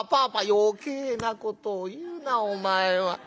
「余計なことを言うなお前は。